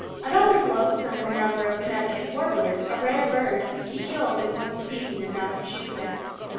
Another gloats over the number of Connecticut warblers a rare bird he killed in one season in Massachusetts.